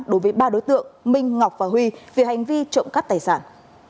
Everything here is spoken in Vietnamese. đối với ba đối tượng minh ngọc và huy về hành vi trộm cắp tài sản